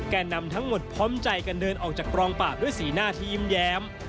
แก่นำทั้งหมดพร้อมใจกันเดินออกจากกองปราบด้วยสีหน้าที่ยิ้มแย้ม